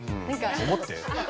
思って。